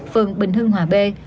phường bình hương hòa b